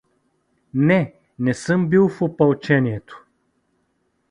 — Не, не съм бил в опълчението.